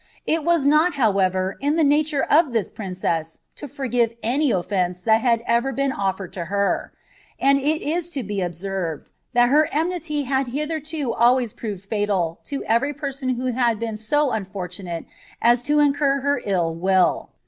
It was not, however, in the nature of this princess to forgive any offence that had ever been ofifered to her; and It is to be observed, that her enmity had hitherto always proved fatal to every person who had been so unfortunate as to incur her ill will.